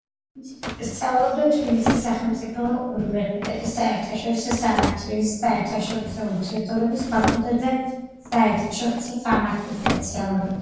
სწავლობდა თბილისის სახელმწიფო უნივერსიტეტის საერთაშორისო სამართლისა და საერთაშორისო ურთიერთობების ფაკულტეტზე საერთაშორისო სამართლის სპეციალობით.